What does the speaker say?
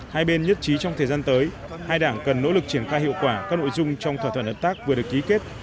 hai bên nhất trí trong thời gian tới hai đảng cần nỗ lực triển khai hiệu quả các nội dung trong thỏa thuận hợp tác vừa được ký kết